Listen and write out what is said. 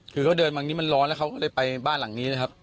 คือเค้าเดินนี่มันร้อนแล้วเค้าก็ได้ไปบ้านหลังนี้นะครับ